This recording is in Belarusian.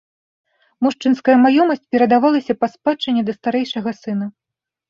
Мужчынская маёмасць перадавалася па спадчыне да старэйшага сына.